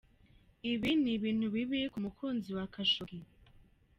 "Ibi ni ibintu bibi ku mukunzi wa Khashoggi.